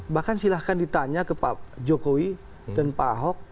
bahkan silahkan ditanya ke pak jokowi dan pak ahok